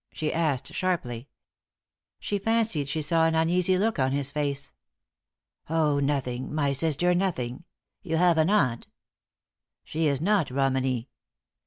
she asked, sharply. She fancied she saw an uneasy look on his face. "Oh, nothing, my sister nothing. You have an aunt she is not Romany?"